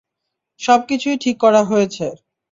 সব কিছুই ঠিক করা হয়েছে।